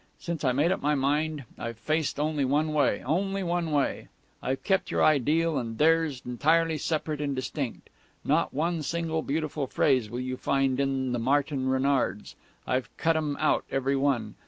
Since I made up my mind, I've faced only one way only one way. I've kept your ideal and theirs entirely separate and distinct. Not one single beautiful phrase will you find in the Martin Renards; I've cut 'em out, every one.